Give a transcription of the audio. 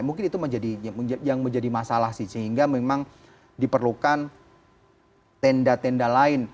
mungkin itu yang menjadi masalah sih sehingga memang diperlukan tenda tenda lain